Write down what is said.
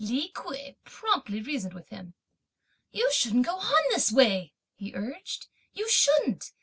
Li Kuei promptly reasoned with him. "You shouldn't go on in this way," he urged, "you shouldn't.